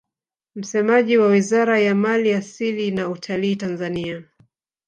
Msemaji wa Wizara ya mali asili na utalii Tanzania